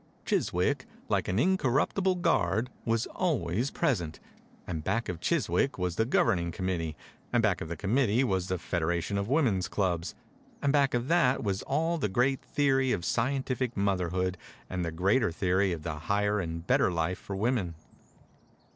Chiswick, like an incorrupt ible guard, was always present, and back of Chiswick was the governing committee, and back n THE INCUBATOR BABY of the committee was the Fed eration of Women's Clubs, and back of that was all the great theory of scientific motherhood and the greater theory of the Higher and Better Life for Women.